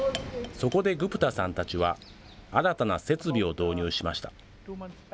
そこでグプタさんたちは、新たな設備を導入しました。